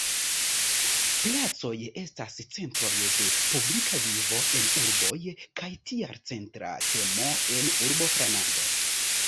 Placoj estas centroj de publika vivo en urboj kaj tial centra temo en urboplanado.